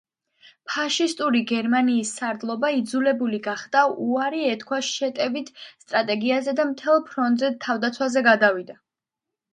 ფაშისტური გერმანიის სარდლობა იძულებული გახდა უარი ეთქვა შეტევით სტრატეგიაზე და მთელ ფრონტზე თავდაცვაზე გადავიდა.